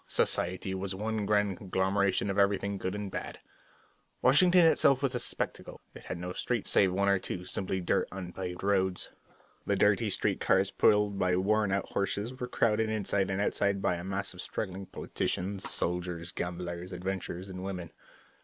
Society was one grand conglomeration of everything good and bad. Washington City itself was a spectacle. It had no streets, save one or two simply dirty unpaved roads. The dirty street cars, pulled by worn out horses, were crowded inside and outside by a mass of struggling politicians, soldiers, gamblers, adventurers, and women.